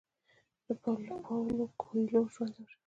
د پاولو کویلیو ژوند او شخصیت: